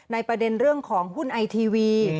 ประเด็นเรื่องของหุ้นไอทีวี